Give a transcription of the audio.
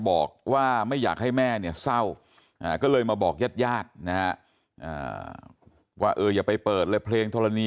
บอกว่าไม่อยากให้แม่เงียบเศร้าก็เลยมาบอกยัดนะเพลงธรณี